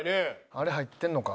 あれ入ってんのか？